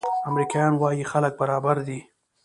امریکایان وايي خلک برابر دي.